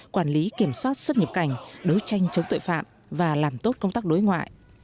quản lý kiểm soát xuất nhập cảnh đấu tranh chống tội phạm và làm tốt công tác đối ngoại